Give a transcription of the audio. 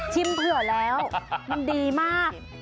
เผื่อแล้วมันดีมาก